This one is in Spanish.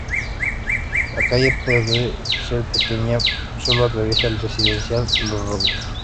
La calle por ser pequeña sólo atraviesa el Residencial Los Robles.